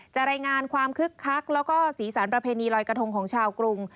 รายงานความคึกคักแล้วก็สีสันประเพณีลอยกระทงของชาวกรุง